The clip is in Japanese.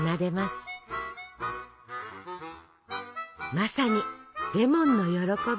まさに「レモンの歓び」！